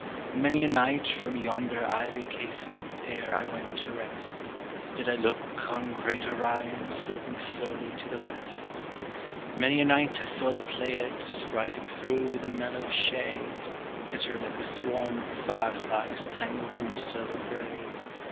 Many a night from yonder ivied casement, ere I went to rest, Did I look on great Orion sloping slowly to the west. Many a night I saw the Pleiads, rising through the mellow shade, Glitter like a swarm of fire flies tangled in a silver braid.